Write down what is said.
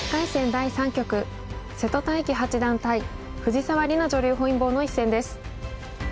第３局瀬戸大樹八段対藤沢里菜女流本因坊の一戦です。